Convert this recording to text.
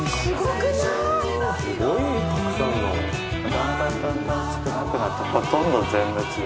だんだんだんだん少なくなってほとんど全滅。